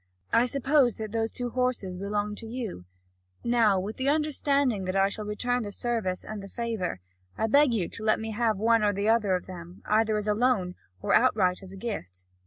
I suppose that those two horses belong to you now, with the understanding that I shall return the service and the favour, I beg you to let me have one or the other of them, either as a loan or outright as a gift."